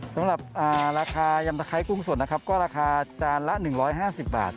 สำหรับราคายำตะไครกุ้งสดก็ราคาจานละหนึ่งร้อยห้าสิบบาท